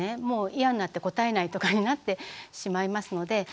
もう嫌になって答えないとかになってしまいますので。